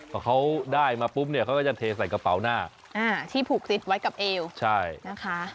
พอเขาได้มาปุ๊บเนี่ยเขาก็จะเทใส่กระเป๋าหน้าที่ผูกซิดไว้กับเอวใช่นะคะ